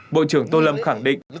bộ trưởng tô lâm khẳng định